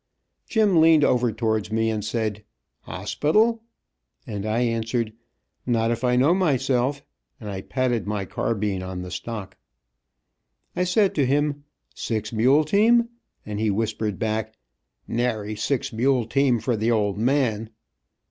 Jim leaned over towards me and said, "Hospital?" and I answered, "Not if I know myself," and I patted my carbine on the stock. I said to him, "Six mule team?" and he whispered back, "Nary six mule team for the old man."